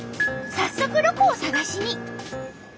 早速ロコを探しに。